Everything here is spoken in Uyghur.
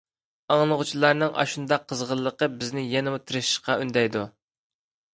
ئاڭلىغۇچىلارنىڭ ئاشۇنداق قىزغىنلىقى بىزنى يەنىمۇ تىرىشىشقا ئۈندەيدۇ.